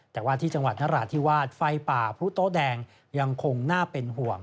แต่ว่าที่จังหวัดนราธิวาสไฟป่าพรุโต๊ะแดงยังคงน่าเป็นห่วง